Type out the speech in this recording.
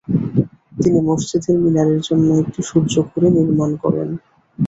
তিনি মসজিদের মিনারের জন্য একটি সূর্যঘড়ি তৈরি করেন।